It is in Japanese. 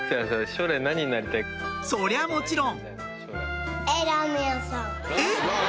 そりゃもちろんえっ？